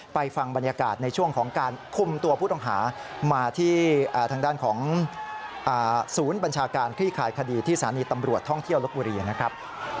ฟังบรรยากาศในช่วงของการคุมตัวผู้ต้องหามาที่ทางด้านของศูนย์บัญชาการคลี่คายคดีที่สถานีตำรวจท่องเที่ยวลบบุรีนะครับ